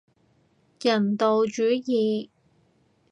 人道主義